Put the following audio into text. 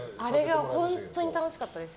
あれが本当に楽しかったです。